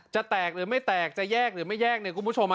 จะแตกหรือไม่แตกจะแยกหรือไม่แยกเนี่ยคุณผู้ชม